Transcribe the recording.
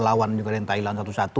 lawan juga dan thailand satu satu